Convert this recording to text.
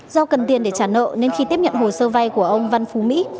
do cần tiền để trả nợ nên khi tiếp nhận hồ sơ vay của ông văn phú mỹ